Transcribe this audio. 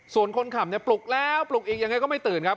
ส่วนคนขับเนี่ยปลุกแล้วปลุกอีกยังไงก็ไม่ตื่นครับ